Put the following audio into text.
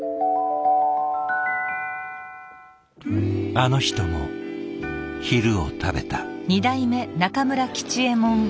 あの人も昼を食べた。